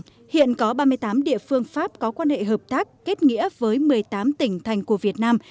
chủ tịch quốc hội nguyễn thị kim ngân nói rằng hiện có ba mươi tám địa phương pháp có quan hệ hợp tác kết nghĩa với một mươi tám tỉnh thành của việt nam